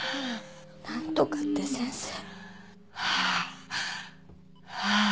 何とかって先生。